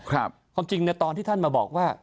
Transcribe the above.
ความจริงตอนที่ท่านมาบอกว่า